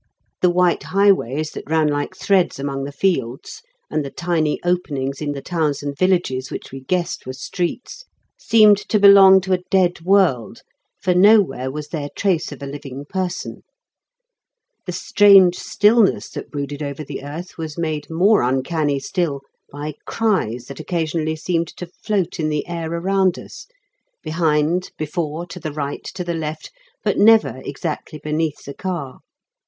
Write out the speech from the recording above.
The white highways that ran like threads among the fields, and the tiny openings in the towns and villages which we guessed were streets, seemed to belong to a dead world, for nowhere was there trace of a living person. The strange stillness that brooded over the earth was made more uncanny still by cries that occasionally seemed to float in the air around us, behind, before, to the right, to the left, but never exactly beneath the car.